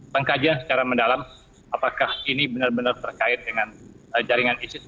pengkajian secara mendalam apakah ini benar benar terkait dengan jaringan isis